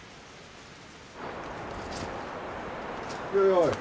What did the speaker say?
おい。